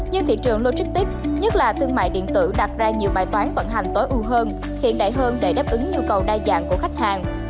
nhưng thị trường logistics nhất là thương mại điện tử đặt ra nhiều bài toán vận hành tối ưu hơn hiện đại hơn để đáp ứng nhu cầu đa dạng của khách hàng